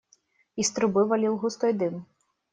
Из трубы валил густой дым.